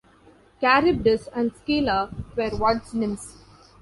Charybdis and Scylla were once nymphs.